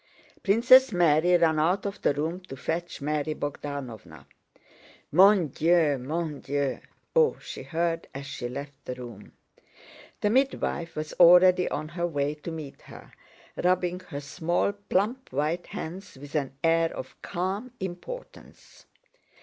Princess Mary ran out of the room to fetch Mary Bogdánovna. "Mon Dieu! Mon Dieu! Oh!" she heard as she left the room. The midwife was already on her way to meet her, rubbing her small, plump white hands with an air of calm importance.